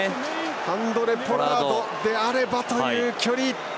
ハンドレ・ポラードであればという距離。